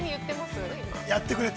◆やってくれと。